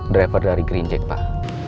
driver dari greenjack pak